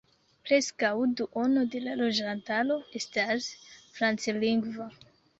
Preskaŭ duono de la loĝantaro estas franclingva.